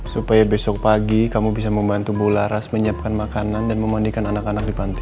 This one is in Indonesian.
supaya besok pagi kamu bisa membantu bu laras menyiapkan makanan dan memandikan anak anak di pantai